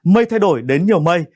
mây thay đổi đến nhiều mây